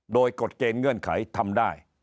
โดยกฎเกณฑ์เงื่อนไขทำได้